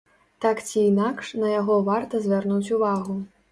Так ці інакш, на яго варта звярнуць увагу.